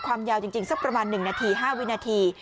ความยาวจริงสักประมาณ๑นาที๕วินาที